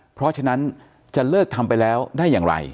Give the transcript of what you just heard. เพราะฉะนั้นจะเลิกทำไปแล้วได้อย่างไร